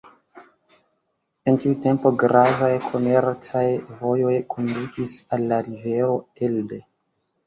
En tiu tempo gravaj komercaj vojoj kondukis al la rivero Elbe.